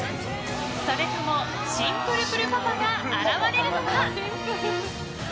それとも新プルプルパパが現れるのか？